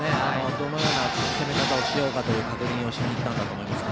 どのような攻め方をするかという確認をしに行ったんだと思います。